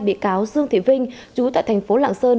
bị cáo dương thị vinh chú tại thành phố lạng sơn